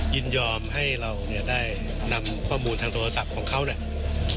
ยินยอมให้เราเนี่ยได้นำข้อมูลทางโทรศัพท์ของเขาเนี่ย